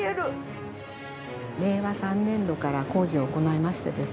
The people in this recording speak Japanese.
令和３年度から工事を行いましてですね